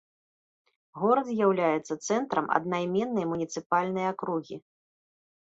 Горад з'яўляецца цэнтрам аднайменнай муніцыпальнай акругі.